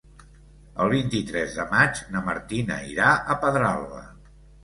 El vint-i-tres de maig na Martina irà a Pedralba.